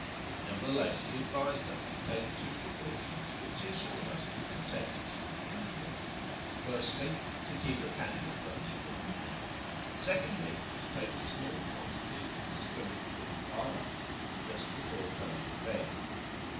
Nevertheless, he advised us to take two precautions, which he assured us would protect us from injury : firstly, to keep a candle burning all night ; FROM TABRIZ TO TEHERAN 71 secondly, to take a small quantity of the spirit called 'arah just before going to bed.